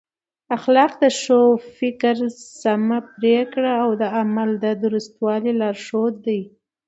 اخلاق د ښو فکر، سمه پرېکړه او د عمل د درستوالي لارښود دی.